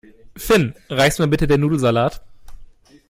Finn, reichst du mir bitte den Nudelsalat?